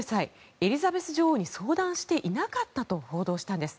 エリザベス女王に相談していなかったと報道したんです。